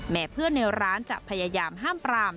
เพื่อนในร้านจะพยายามห้ามปราม